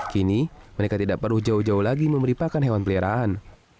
kini mereka tidak perlu jauh jauh lagi memberi pakan hewan peliharaan